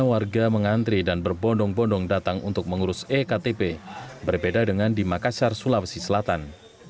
warga mengantri dan berbondong bondong datang untuk mengurus ektp berbeda dengan di makassar sulawesi selatan